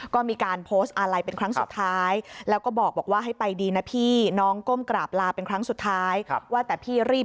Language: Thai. ก็มีการโพสต์อาร์ไลด์ต์เป็นครั้งสุดท้ายแล้วก็บอกว่าให้ไปดีนะพี่